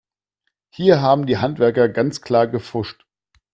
Hier haben die Handwerker ganz klar gepfuscht.